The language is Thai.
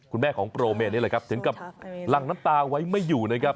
คุณแม่ของโปรเมนนี่แหละครับถึงกับหลังน้ำตาไว้ไม่อยู่นะครับ